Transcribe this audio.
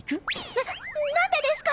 ななんでですか！？